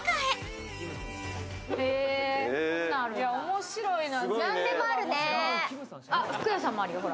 面白いな。